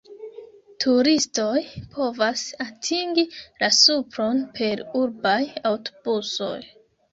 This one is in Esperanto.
Turistoj povas atingi la supron per urbaj aŭtobusoj.